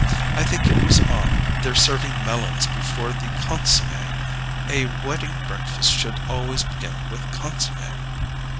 I think it was odd, their serving melons before the CONSOMME: a wedding breakfast should always begin with CONSOMME.